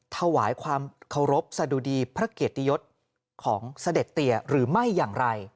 ถวายความเคารพสะดุดีพระเกียรติยศของเสด็จเตียหรือไม่อย่างไร